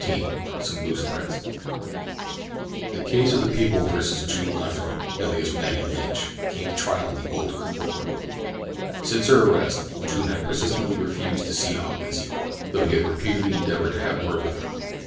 — SOME LOOSE THREADS The case of the People versus June Lathrop, alias Maggie Lynch, came to trial in the old Criminal Court Building. Since her arrest June had persistently refused to see Ogden Secor, though he had repeatedly endeavored to have word with her.